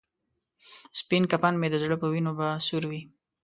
سپین کفن مې د زړه په وینو به سور وي.